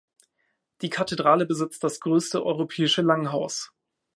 Die Kathedrale besitzt das größte europäische Langhaus.